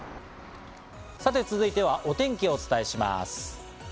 さて続いては、お天気をお伝えします。